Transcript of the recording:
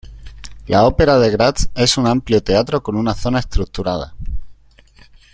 La Ópera de Graz es un amplio teatro con una zona estructurada.